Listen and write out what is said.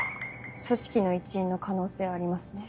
組織の一員の可能性ありますね。